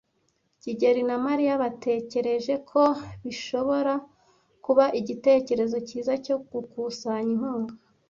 kigeli na Mariya batekereje ko bishobora kuba igitekerezo cyiza cyo gukusanya inkunga.